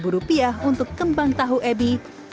rp dua puluh lima untuk kembang tahu ebi